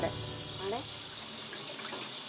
あれ？